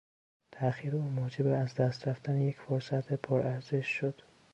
تاخیر او موجب از دست رفتن یک فرصت پرارزش شد.